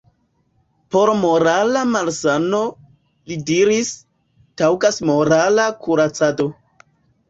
Por morala malsano, li diris, taŭgas morala kuracado.